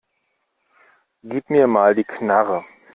Gib mir mal die Knarre.